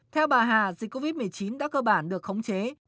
theo bà hà dịch covid một mươi chín đã cơ bản được khống chế